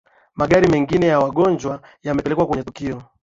magari mengi ya wangonjwa yamepelekwa kwenye tukio